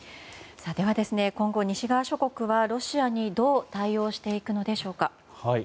では、今後西側諸国はロシアにどう対応していくのでしょうか。